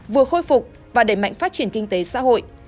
vừa khôi phục và đẩy mạnh phát triển kinh tế xã hội